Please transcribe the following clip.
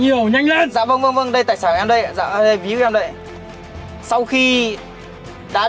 nhiều nhanh lên dạ vâng vâng vâng đây tài sản của em đây ạ dạ đây ví của em đây ạ sau khi đã đưa